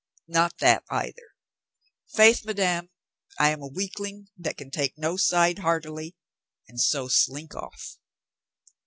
"Nor that either. Faith, madame, I am a weak ling that can take no side heartily, and so slink off."